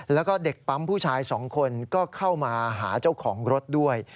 แล้วก็เด็กปั๊มผู้ชายสองคนก็เข้ามาหาเจ้าของรถด้วย